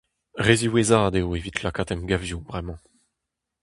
Re ziwezhat eo evit lakaat emgavioù bremañ.